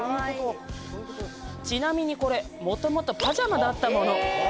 ちなみにこれもともとパジャマだったもの！